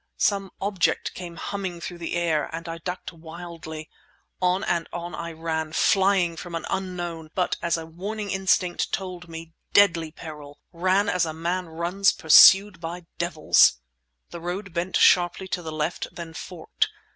Some object came humming through the air, and I ducked wildly. On and on I ran—flying from an unknown, but, as a warning instinct told me, deadly peril—ran as a man runs pursued by devils. The road bent sharply to the left then forked.